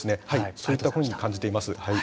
そういったふうに感じています。